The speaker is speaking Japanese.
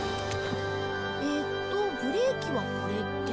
えーっとブレーキはこれで。